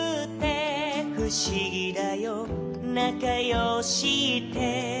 「ふしぎだよなかよしって」